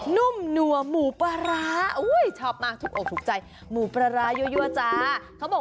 นุ่มหนัวหมูปลาร้าอ้อุ้ยชอบมากตกใจหมูปลาร้ายังเยอะเธอบอก